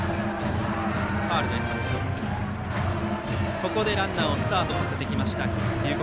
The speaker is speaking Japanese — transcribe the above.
ここでランナーをスタートさせてきました龍谷